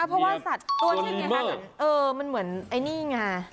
เพราะว่ามันเหมือนไอนี่ไง